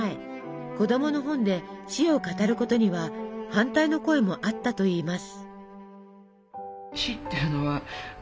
子供の本で死を語ることには反対の声もあったといいます。